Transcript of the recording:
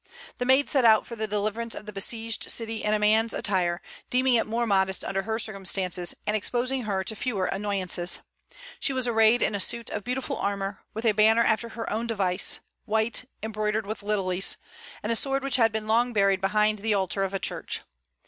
The Maid set out for the deliverance of the besieged city in a man's attire, deeming it more modest under her circumstances, and exposing her to fewer annoyances. She was arrayed in a suit of beautiful armor, with a banner after her own device, white, embroidered with lilies, and a sword which had been long buried behind the altar of a church.